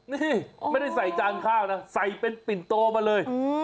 นี่ไม่ได้ใส่จานข้าวนะใส่เป็นปิ่นโตมาเลย